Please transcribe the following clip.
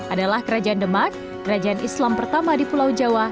adalah kerajaan demak kerajaan islam pertama di pulau jawa